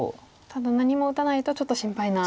ただ何も打たないとちょっと心配な。